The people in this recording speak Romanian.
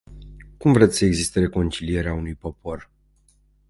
Cum vreți să existe reconcilierea unui popor?